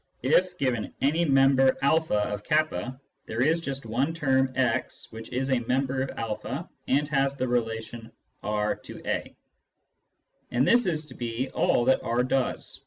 if, given any member a of k, there is just one term x which is a member of o and has the relation Rtoo; and this is to be all that R does.